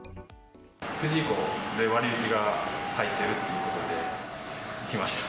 ９時以降で割引が入っているということで、来ました。